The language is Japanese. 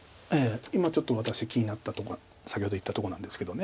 今ちょっと私気になったとこが先ほど言ったとこなんですけど。